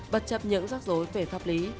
bất chấp những rắc rối về pháp lý